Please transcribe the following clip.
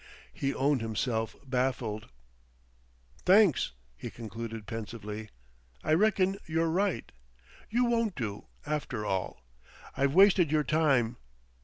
He owned himself baffled. "Thanks," he concluded pensively; "I reckon you're right. You won't do, after all. I've wasted your time.